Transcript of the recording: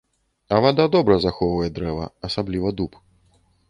А вада добра захоўвае дрэва, асабліва дуб.